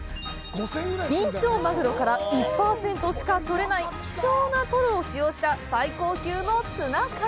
ビンチョウマグロから１％しかとれない希少なトロを使用した最高級のツナ缶！